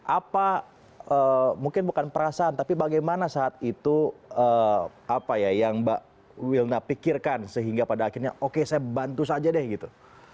apa mungkin bukan perasaan tapi bagaimana saat itu apa ya yang mbak wilna pikirkan sehingga pada akhirnya oke saya bantu saja deh gitu